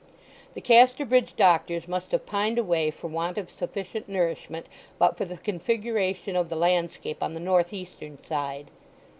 The Casterbridge doctors must have pined away for want of sufficient nourishment but for the configuration of the landscape on the north eastern side.